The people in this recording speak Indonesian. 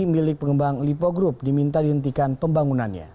milik pengembang lipo group diminta dihentikan pembangunannya